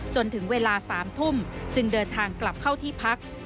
จนถึงเวลา๓ทุ่มจึงเดินทางกลับเข้าที่พัก